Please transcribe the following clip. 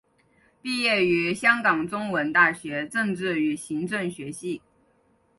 毕业于香港中文大学政治与行政学系。